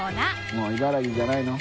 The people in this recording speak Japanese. もう茨城じゃないの？